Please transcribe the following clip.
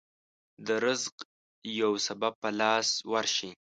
د رزق يو سبب په لاس ورشي.